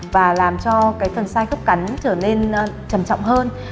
và làm cho cái phần sai khớp cắn trở nên trầm trọng hơn